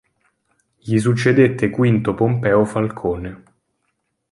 Gli succedette Quinto Pompeo Falcone.